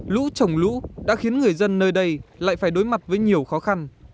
lũ trồng lũ đã khiến người dân nơi đây lại phải đối mặt với nhiều khó khăn